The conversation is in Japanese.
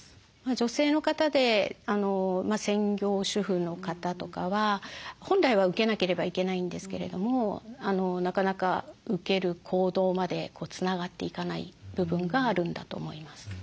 女性の方で専業主婦の方とかは本来は受けなければいけないんですけれどもなかなか受ける行動までつながっていかない部分があるんだと思います。